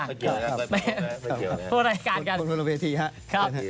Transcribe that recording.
ข้อสัมผัสครับ